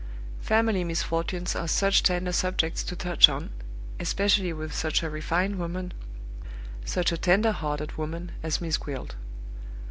Family misfortunes are such tender subjects to touch on, especially with such a refined woman, such a tender hearted woman, as Miss Gwilt.